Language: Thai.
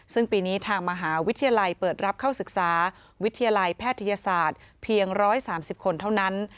ซึ่งปีนี้ทางมหาวิทยาลัยเปิดรับเข้าศึกษาวิทยาลัยแพทยศาสตร์เพียง๑๓๐คนเท่านั้น